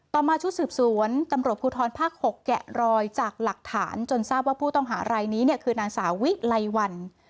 มาชุดสืบสวนตำรวจภูทรภาค๖แกะรอยจากหลักฐานจนทราบว่าผู้ต้องหารายนี้เนี่ยคือนางสาวิไลวัน